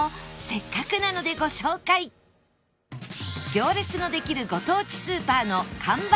行列のできるご当地スーパーの完売